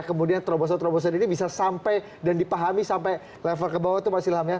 kemudian terobosan terobosan ini bisa sampai dan dipahami sampai level kebawah itu pak silham ya